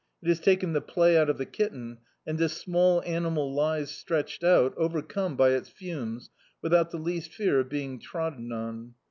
It has taken the play out of the kitten, and this small animal lies stretched out, overcome by its fumes, without the least fear of being trodden on.